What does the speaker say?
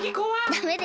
ダメです。